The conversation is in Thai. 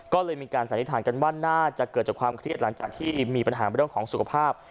ก็เลยมีการสันนิษฐานกันว่าน่าจะเกิดจากความเครียดหลังจากที่มีปัญหาเรื่องของสุขภาพ